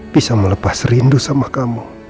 bisa melepas rindu sama kamu